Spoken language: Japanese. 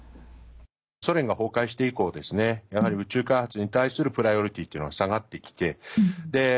ソ連が崩壊して以降やはり宇宙開発に対するプライオリティーっていうのは下がってきて。